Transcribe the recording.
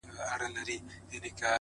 داسي چي حیران! دریان د جنگ زامن وي ناست!